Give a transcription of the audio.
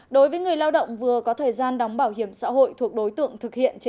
đối với người lao động vừa có thời gian đóng bảo hiểm xã hội thuộc đối tượng thực hiện